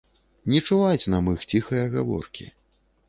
Не чуваць нам іх ціхае гаворкі.